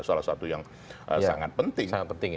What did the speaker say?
salah satu yang sangat penting